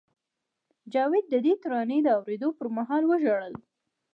جاوید د دې ترانې د اورېدو پر مهال وژړل